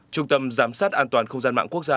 trung tâm giám sát an toàn không gian mạng quốc gia